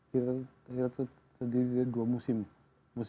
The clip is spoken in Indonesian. kita sendiri dua musim